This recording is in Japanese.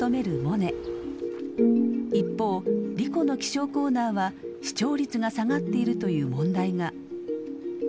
一方莉子の気象コーナーは視聴率が下がっているという問題が。